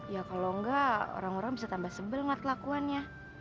ya kalau enggak orang orang bisa tambah sebelat kelakuannya